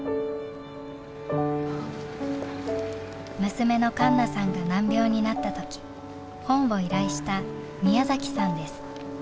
娘の栞奈さんが難病になった時本を依頼した宮さんです。